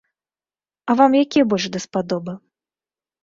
А вам якія больш даспадобы?